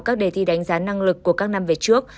các đề thi đánh giá năng lực của các năm về trước